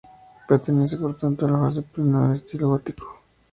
Pertenece, por tanto, a la fase plena del estilo Gótico.